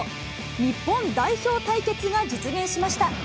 日本代表対決が実現しました。